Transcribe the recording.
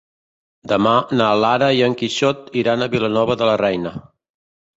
Demà na Lara i en Quixot iran a Vilanova de la Reina.